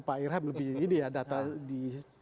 pak irham lebih ini ya data di